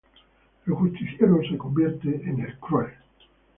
El Justiciero se convierte en el Cruel.